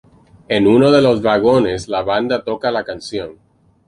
En uno de los vagones la banda toca la canción.